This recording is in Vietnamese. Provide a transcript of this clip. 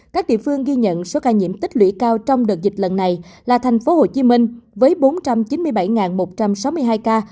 các địa phương ghi nhận số ca nhiễm tích lũy cao trong đợt dịch lần này là thành phố hồ chí minh với bốn trăm chín mươi bảy một trăm sáu mươi hai ca